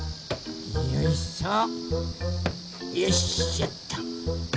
よいしょよいしょっと。